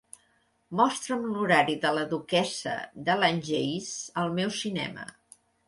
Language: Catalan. Mostra'm l'horari de La Duquessa de Langeais al meu cinema